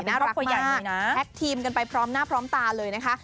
น่ารักตัวใหญ่แท็กทีมกันไปพร้อมหน้าพร้อมตาเลยนะคะ